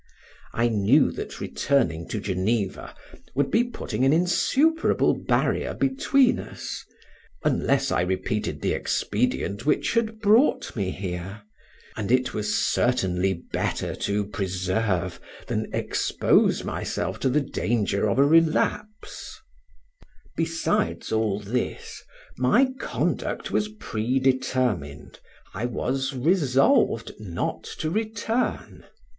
I knew that returning to Geneva would be putting an insuperable barrier between us, unless I repeated the expedient which had brought me here, and it was certainly better to preserve than expose myself to the danger of a relapse; besides all this, my conduct was predetermined, I was resolved not to return.